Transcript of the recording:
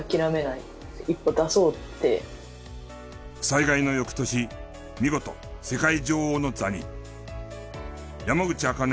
災害の翌年見事世界女王の座に。